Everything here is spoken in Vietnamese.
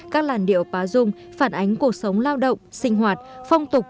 các làn điệu bá dung phản ánh cuộc sống lao động sinh hoạt phong tục